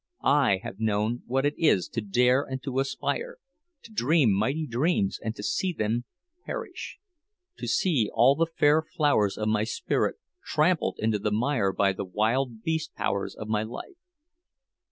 I have known what it is to dare and to aspire, to dream mighty dreams and to see them perish—to see all the fair flowers of my spirit trampled into the mire by the wild beast powers of my life.